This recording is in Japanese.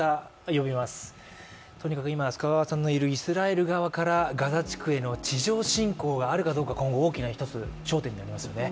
とにかく今は須賀川さんのいるイスラエル側から、ガザ地区への侵攻があるかどうか今後、大きな一つの焦点となりますね。